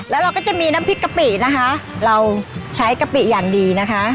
แล้วเราก็จะมีน้ำพริกกะปินะคะเราใช้กะปิอย่างดีนะคะ